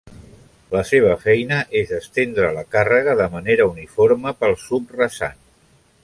La seva feina és estendre la càrrega de manera uniforme pel subrasant.